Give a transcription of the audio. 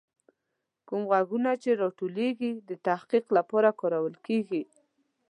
کوم غږونه چې راټولیږي، د تحقیق لپاره کارول کیږي.